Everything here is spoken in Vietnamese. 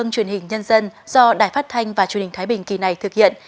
chuyên hình nhân dân do đài phát thanh và chuyên hình thái bình kỳ này thực hiện